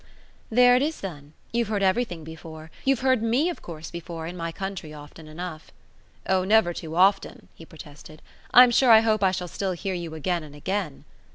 "There it is then. You've heard everything before. You've heard ME of course before, in my country, often enough." "Oh never too often," he protested. "I'm sure I hope I shall still hear you again and again."